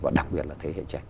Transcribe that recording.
và đặc biệt là thế hệ trẻ